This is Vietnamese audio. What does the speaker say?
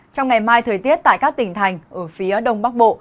trong ngày mai thời tiết tại các tỉnh thành ở phía đông bắc bộ